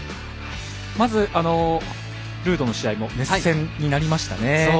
まず、ルードの試合熱戦になりましたね。